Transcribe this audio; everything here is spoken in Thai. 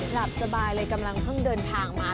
หลับสบายเลยกำลังเพิ่งเดินทางมา